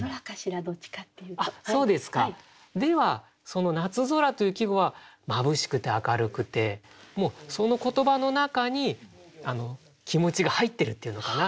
その「夏空」という季語はまぶしくて明るくてもうその言葉の中に気持ちが入ってるっていうのかな。